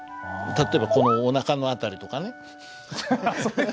例えばこのおなかのあたりとかね。